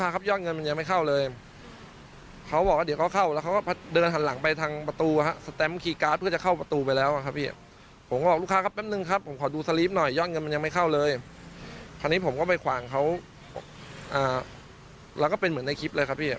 คราวนี้ผมก็ไปขวางเขาแล้วก็เป็นเหมือนในคลิปเลยครับพี่